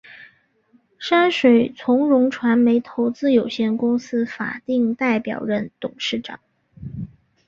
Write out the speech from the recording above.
山水从容传媒投资有限公司法定代表人、董事长